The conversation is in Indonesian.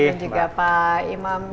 dan juga pak imam